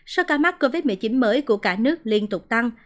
số ca mắc covid một mươi chín mới của cả nước liên tục tăng